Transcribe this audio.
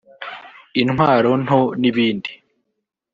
intwaro nto n’ibindi